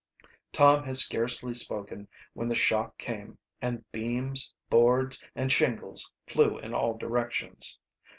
Tom had scarcely spoken when the shock came, and beams, boards, and shingles flew in all directions.